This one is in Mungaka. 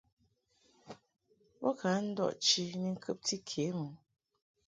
Bo ka ndɔʼ chi ni ŋkɨbti ke mɨ.